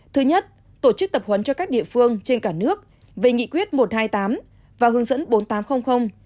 thứ nhất tổ chức tập huấn cho các địa phương trên cả nước về nghị quyết một trăm hai mươi tám và hướng dẫn bốn nghìn tám trăm linh